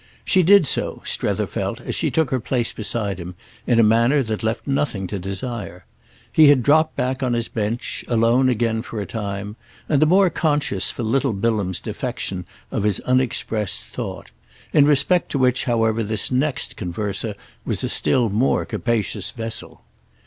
She did so, Strether felt as she took her place beside him, in a manner that left nothing to desire. He had dropped back on his bench, alone again for a time, and the more conscious for little Bilham's defection of his unexpressed thought; in respect to which however this next converser was a still more capacious vessel.